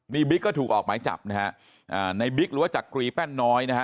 นี่บิ๊กก็ถูกออกหมายจับนะฮะในบิ๊กหรือว่าจักรีแป้นน้อยนะฮะ